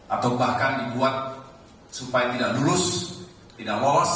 atau bahkan dibuat supaya tidak lulus tidak lolos